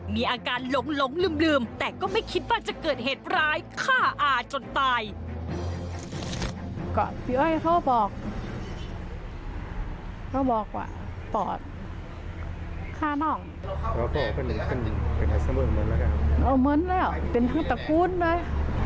มีอาการหลงลืมแต่ก็ไม่คิดว่าจะเกิดเหตุร้ายฆ่าอาจนตาย